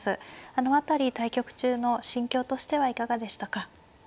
あの辺り対局中の心境としてはいかがでしたか。